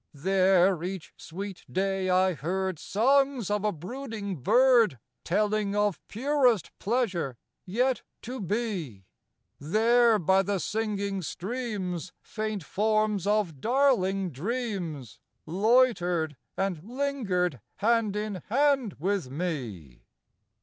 62 GLAMOUR LAND . 63 There each sweet day I heard Songs of a brooding bird Telling of purest pleasure yet to be : There, by the singing streams, Faint forms of darling dreams Loitered and lingered hand in hand with me.